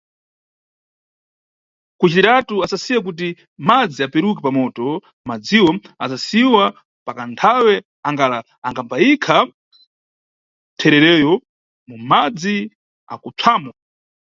Kacitiratu asasiya kuti madzi aperuke pamoto, madziwo asasiyiwa pakathawe angala ambayikha thererowo mumadzi akupsamo.